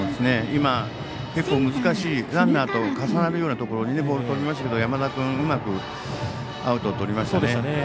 今、結構難しいランナーと重なるようなところにボール飛びましたけど山田君、うまくアウトをとりましたね。